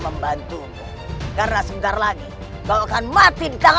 atau kau sudah kampung